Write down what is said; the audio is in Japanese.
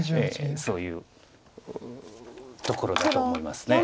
そういうところだと思います。